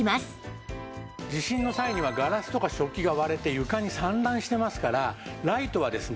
地震の際にはガラスとか食器が割れて床に散乱してますからライトはですね